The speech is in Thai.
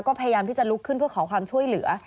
ก็พยายามที่จะลุกขึ้นเพื่อขอความช่วยเหลือ